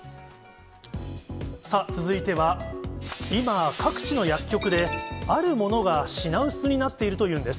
さあ、続いては、今、各地の薬局で、あるものが品薄になっているというんです。